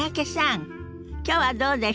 きょうはどうでした？